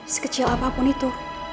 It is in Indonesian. sekecil apapun itu